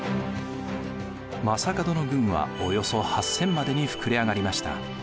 将門の軍はおよそ８，０００までに膨れ上がりました。